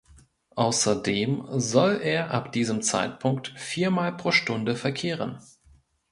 Außerdem soll er ab diesem Zeitpunkt viermal pro Stunde verkehren.